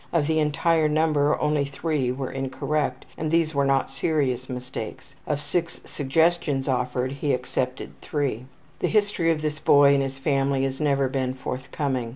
Of the entire number only 3 were incorrect, and these were not serious mistakes. Of 6 suggestions offered he accepted 3. The history of this boy and his family has never been forthcoming.